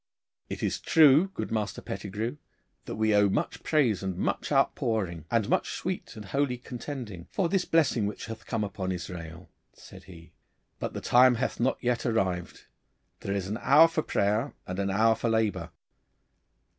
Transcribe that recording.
'It is true, good Master Pettigrue, that we owe much praise and much outpouring, and much sweet and holy contending, for this blessing which hath come upon Israel,' said he, 'but the time hath not yet arrived. There is an hour for prayer and an hour for labour.